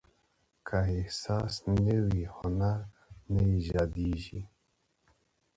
که احساس نه وي، هنر نه ایجاديږي.